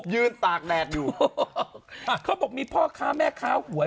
ตากแดดอยู่เขาบอกมีพ่อค้าแม่ค้าหวย